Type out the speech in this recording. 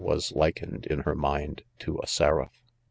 was likened, in her mind, to a seraph.